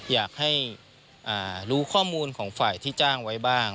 อยากให้รู้ข้อมูลของฝ่ายที่จ้างไว้บ้าง